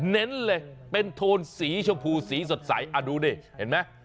เน้นเลยเป็นโทนสีชมพูสีสดใสดูดิเห็นไหม